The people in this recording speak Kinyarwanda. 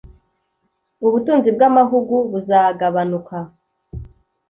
ubutunzi bw’amahugu buzagabanuka